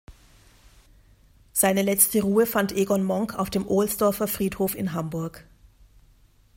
Seine letzte Ruhe fand Egon Monk auf dem Ohlsdorfer Friedhof in Hamburg.